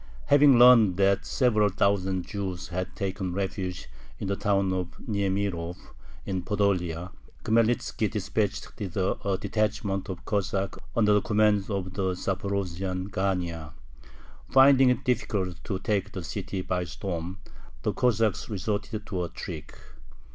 Having learned that several thousand Jews had taken refuge in the town of Niemirov in Podolia, Khmelnitzki dispatched thither a detachment of Cossacks under the command of the Zaporozhian Gania. Finding it difficult to take the city by storm, the Cossacks resorted to a trick.